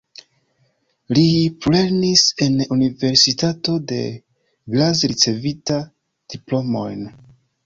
Li plulernis en universitato de Graz ricevinta diplomojn.